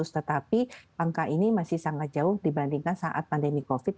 tetapi angka ini masih sangat jauh dibandingkan saat pandemi covid